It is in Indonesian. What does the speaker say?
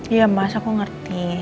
iya mas aku ngerti